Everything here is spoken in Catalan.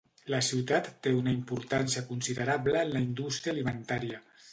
La ciutat té una importància considerable en la indústria alimentària.